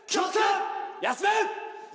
休め！